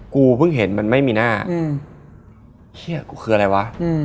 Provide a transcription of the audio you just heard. กูเพิ่งเห็นมันไม่มีหน้าเครียดกูคืออะไรวะ